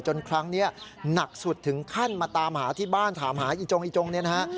ครั้งนี้หนักสุดถึงขั้นมาตามหาที่บ้านถามหาอีจงอีจงเนี่ยนะฮะ